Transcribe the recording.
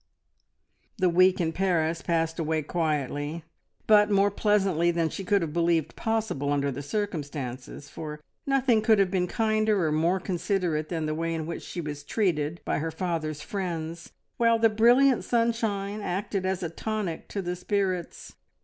The week in Paris passed away quietly, but more pleasantly than she could have believed possible under the circumstances; for nothing could have been kinder or more considerate than the way in which she was treated by her father's friends, while the brilliant sunshine acted as a tonic to the spirits.